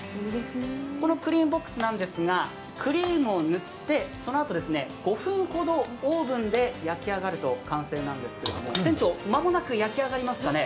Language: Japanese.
このクリームボックスですが、クリームを塗って、そのあと５分ほどオーブンで焼き上がると完成なんですが店長、まもなく焼き上がりますかね？